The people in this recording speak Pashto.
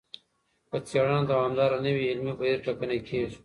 که څېړنه دوامداره نه وي علمي بهیر ټکنی کیږي.